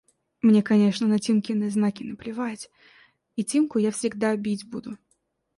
– Мне, конечно, на Тимкины знаки наплевать, и Тимку я всегда бить буду…